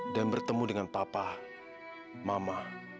dan bertemu dengan papa mama